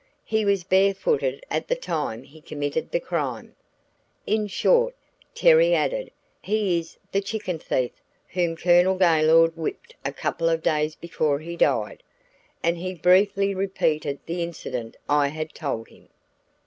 He was bare footed at the time he committed the crime. In short," Terry added, "he is the chicken thief whom Colonel Gaylord whipped a couple of days before he died," and he briefly repeated the incident I had told him.